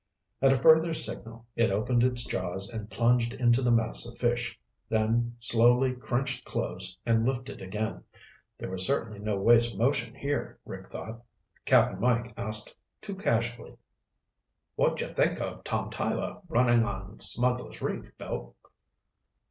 At a further signal, it opened its jaws and plunged into the mass of fish, then slowly crunched closed and lifted again. There was certainly no waste motion here, Rick thought. Cap'n Mike asked, too casually, "What'd you think of Tom Tyler running on Smugglers' Reef, Bill?"